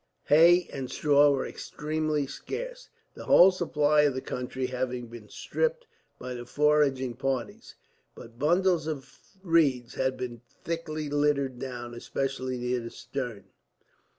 Hay and straw were extremely scarce, the whole supply of the country having been stripped by the foraging parties; but bundles of reeds had been thickly littered down, especially near the stern.